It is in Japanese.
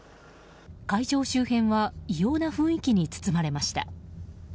会場周辺は異様な雰囲気に包まれました。